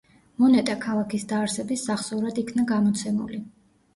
მონეტა ქალაქის დაარსების სახსოვრად იქნა გამოცემული.